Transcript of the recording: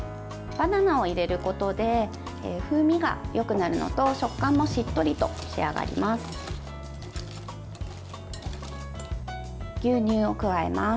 バナナを入れることで風味がよくなるのと食感もしっとりと仕上がります。